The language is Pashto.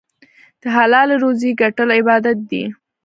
د حلالې روزۍ ګټل عبادت دی.